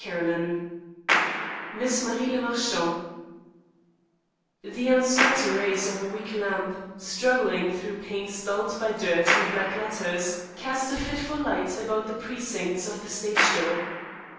CHAPTER VI MISS MARIE LE MARCHANT The uncertain rays of a weak lamp, struggling through panes dulled by dirt and black letters, cast a fitful light about the precincts of the stage door.